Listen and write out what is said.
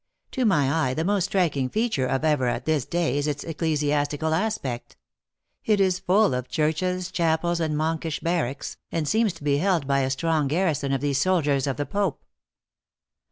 To my eye the most striking feature of Evora at this day is its ecclesiastical aspect. It is full of churches, chapels, and monkish barracks, and seems to be held by a strong garrison of these soldiers of the Pope."